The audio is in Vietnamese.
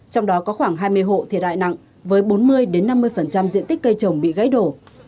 trong đó có khoảng hai mươi hộ thiệt hại nặng với bốn mươi năm mươi diện tích cây trồng bị gãy đổ